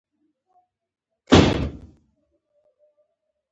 کاناډا د څیړنې مرکزونه لري.